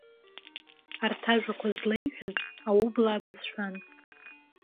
Арҭ ажәақәа злеиҳәаз аублаа бызшәан.